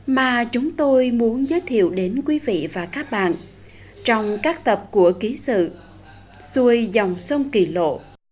mà chúng tôi muốn giới thiệu đến quý vị và các bạn trong các tập của ký sự xuôi dòng sông kỳ lộ